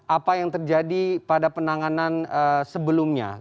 apa yang terjadi pada penanganan sebelumnya